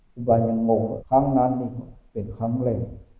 ภูบายังงงครั้งนั้นเป็นครั้งแรก